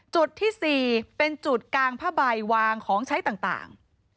จุดที่๔เป็นจุดกางผ้าใบวางของใช้ต่าง